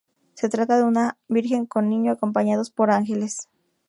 Se trata de una Virgen con Niño, acompañados por ángeles.